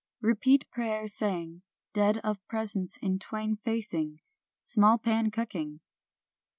" Repeat prayers saying, dead of presence in twain facing, — small pan cooking